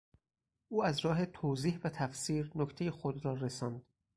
او از راه توضیح و تفسیر نکتهی خود را رساند.